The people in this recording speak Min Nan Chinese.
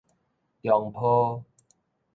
中陂